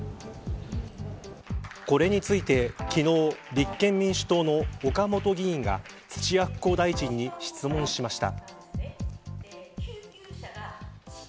これについて昨日、立憲民主党の岡本議員が土屋復興大臣に質問しました。